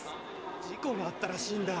事故があったらしいんだ。